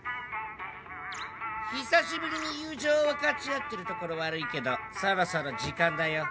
久しぶりに友情を分かち合ってるところ悪いけどそろそろ時間だよ。